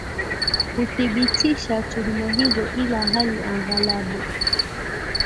kuthibitisha tuhuma hizo ila hali aghalabu